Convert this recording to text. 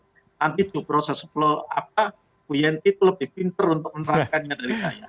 nanti tuh proses upload apa bu yanti tuh lebih pinter untuk menerapkannya dari saya